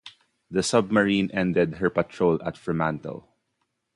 The submarine ended her patrol at Fremantle.